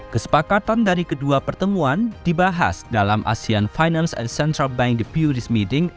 kesepakatan dari kedua pertemuan dibahas dalam asean finance and central bank depuris meeting